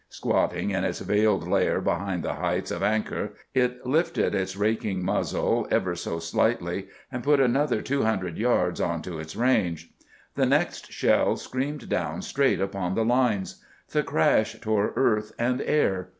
Squatting in its veiled lair behind the heights of Ancre, it lifted its raking muzzle, ever so slightly, and put another two hundred yards on to its range. The next shell screamed down straight upon the lines. The crash tore earth and air.